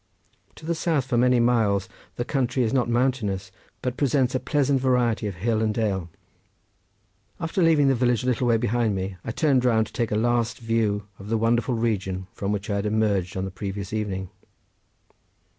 To the south for many miles the country is not mountainous, but presents a pleasant variety of hill and dale. After leaving the village a little way behind me I turned round to take a last view of the wonderful region from which I had emerged on the previous evening.